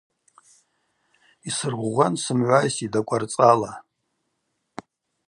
Йсыргъвгъван сымгӏвайситӏ Акӏварцӏала.